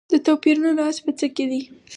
د توپیرونو راز په څه کې دی.